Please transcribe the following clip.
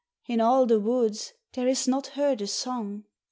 In all the woods there is not heard a song.